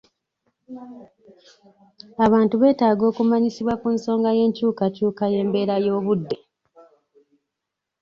Abantu beetaaga okumanyisibwa ku nsonga y'enkyukakyuka y'embeera y'obudde.